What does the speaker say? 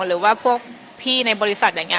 หรือว่าพวกพี่ในบริษัทอย่างนี้